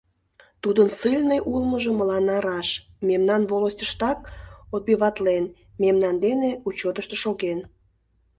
— Тудын ссыльный улмыжо мыланна раш, мемнан волостьыштак отбыватлен, мемнан дене учётышто шоген.